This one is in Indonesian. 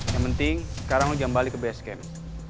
yang penting sekarang lo jangan balik ke base camp